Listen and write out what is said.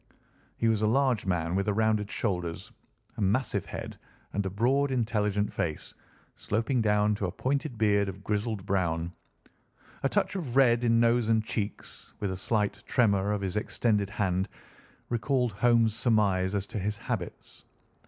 He was a large man with rounded shoulders, a massive head, and a broad, intelligent face, sloping down to a pointed beard of grizzled brown. A touch of red in nose and cheeks, with a slight tremor of his extended hand, recalled Holmes' surmise as to his habits.